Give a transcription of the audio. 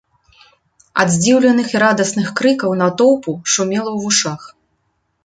Ад здзіўленых і радасных крыкаў натоўпу шумела ў вушах.